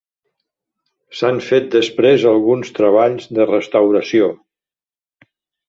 S'han fet després alguns treballs de restauració.